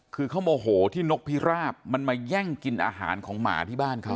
คือเขาโมโหที่นกพิราบมันมาแย่งกินอาหารของหมาที่บ้านเขา